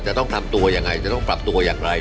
จะต้องทำตัวยังไงจะต้องปรับตัวอย่างไร